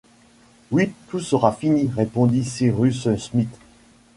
Oui, tout sera fini ! répondit Cyrus Smith